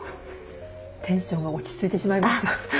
テンションが落ち着いてしまいました。